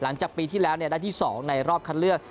หลังจากปีที่แล้วได้ที่๒ในรอบคัดเลือก